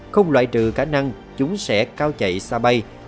không loại trừ khả năng chúng sẽ cao chạy xa bay